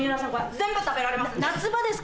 全部食べられます。